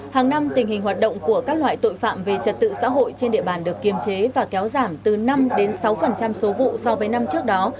hàng năm tình hình hoạt động của các loại tội phạm về trật tự xã hội trên địa bàn được kiềm chế và kéo giảm từ năm sáu số vụ so với năm trước đó